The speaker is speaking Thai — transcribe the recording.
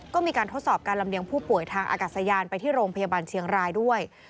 ก็มีการทดสอบการลำเลียงผู้ป่วยทางอากาศยานไปที่โรงพยาบาลเชียงรายด้วย